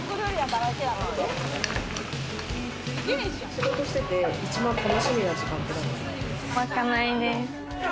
仕事してて一番楽しみな時間まかないです。